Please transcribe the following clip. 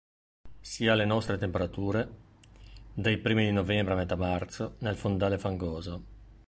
Si alle nostre temperature: dai primi di novembre a metà marzo, nel fondale fangoso.